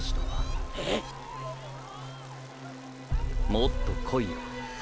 もっとこいよ。